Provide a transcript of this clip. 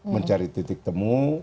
mencari titik temu